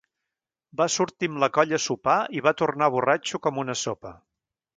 Va sortir amb la colla a sopar i va tornar borratxo com una sopa.